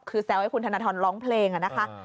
คือแซวให้คุณธนทรร้องเพลงนะคะ